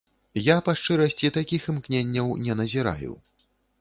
Я, па шчырасці, такіх імкненняў не назіраю.